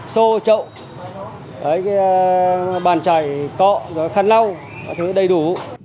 xô trậu bàn chải cọ khăn lau các thứ đầy đủ